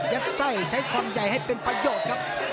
ไส้ใช้ความใหญ่ให้เป็นประโยชน์ครับ